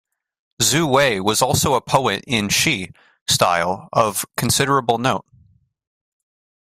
Xu Wei was also a poet in "shi" style of considerable note.